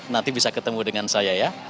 nanti bisa ketemu dengan saya ya